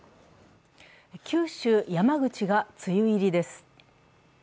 九州、山口が梅雨入りです。